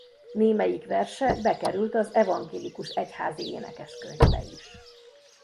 Némelyik verse bekerült az evangélikus egyházi énekes könyvbe is.